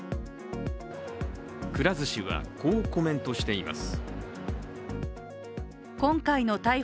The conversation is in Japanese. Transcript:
くら寿司はこうコメントしています。